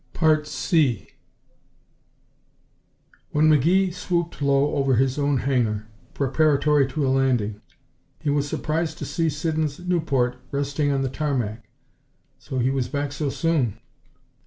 3 When McGee swooped low over his own hangar, preparatory to a landing, he was surprised to see Siddons' Nieuport resting on the tarmac. So he was back so soon!